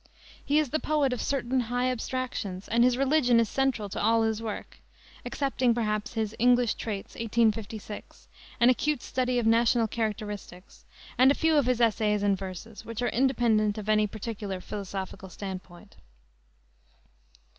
He is the poet of certain high abstractions, and his religion is central to all his work excepting, perhaps, his English Traits, 1856, an acute study of national characteristics, and a few of his essays and verses, which are independent of any particular philosophical standpoint.